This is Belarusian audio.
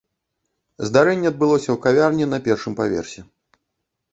Здарэнне адбылося ў кавярні на першым паверсе.